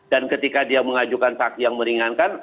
dan ketika dia mengajukan saksi yang meringankan